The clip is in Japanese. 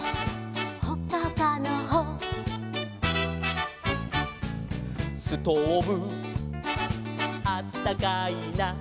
「ほっかほかのほ」「ストーブあったかいな」